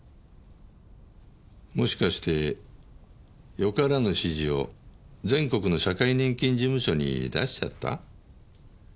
もしかしてよからぬ指示を全国の社会年金事務所に出しちゃった？